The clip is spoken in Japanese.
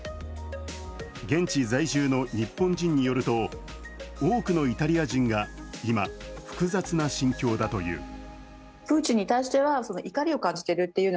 現地在住の日本人によると多くのイタリア人が、今、複雑な心境だという。